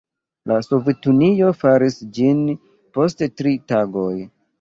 La Sovetunio faris ĝin post tri tagoj.